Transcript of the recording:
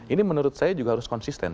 ini menurut saya juga harus konsisten